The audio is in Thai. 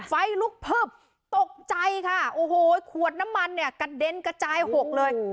ไฟลุกพึบตกใจค่ะโอ้โหขวดน้ำมันเนี่ยกระเด็นกระจายหกเลย